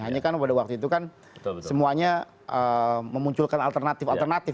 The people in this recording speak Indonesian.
hanya kan pada waktu itu kan semuanya memunculkan alternatif alternatif